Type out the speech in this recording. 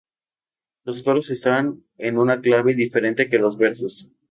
Los coros están en una clave diferente que los versos.